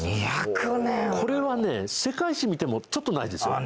これはね世界史見てもちょっとないですよ。